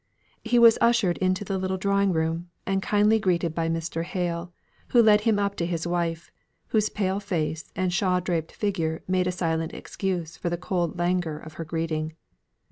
He was ushered into the little drawing room, and kindly greeted by Mr. Hale, who led him up to his wife, whose pale face, and shawl draped figure made a silent excuse for the cold languor of her greeting.